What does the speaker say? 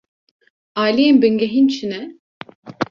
Aliyên bingehîn çi ne?